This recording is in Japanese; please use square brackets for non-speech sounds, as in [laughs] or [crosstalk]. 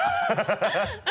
ハハハ [laughs]